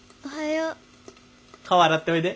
顔洗っておいで。